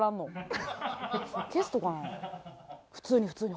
普通に普通に。